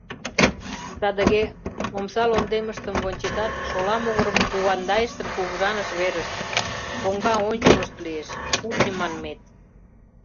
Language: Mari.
Садыге, омса лондемыштым вончетат, шола могырым кувандайыштын кугыжаныш верышт — коҥга ончылышт лиеш, кухньо манмет.